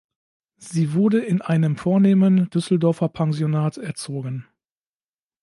Sie wurde in einem vornehmen Düsseldorfer Pensionat erzogen.